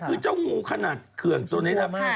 แต่คือเจ้างูขนาดเกือบตรงนี้ครับ